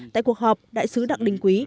tại cuộc họp đại sứ đặng đình quý